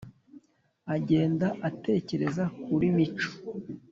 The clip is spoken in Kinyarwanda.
agend atekereza kuri mico